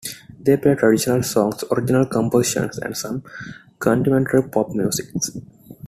They play traditional songs, original compositions, and some contemporary pop music.